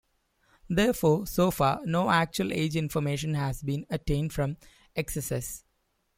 Therefore, so far, no actual age information has been attained from excesses.